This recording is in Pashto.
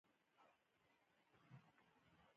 سټیو وا د مشهور شاټسونو خاوند دئ.